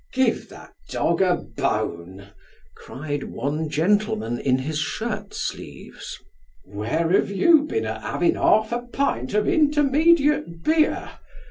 " Give that dog a bone !" cried one gentleman in his shirt sleeves. " Where have you been a having half a pint of intermediate beer ?